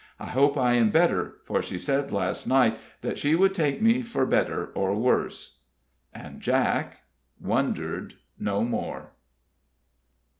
I hope I am better, for she said last night that she would take me for better or worse." And Jack wondered no more.